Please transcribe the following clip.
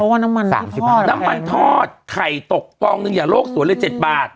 เพราะว่าน้ำมันที่ทอดน้ำมันทอดไข่ตกกองนึงอย่างโลกสวยเลยเจ็ดบาท